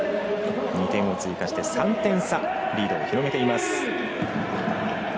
２点を追加して３点差リードを広げています。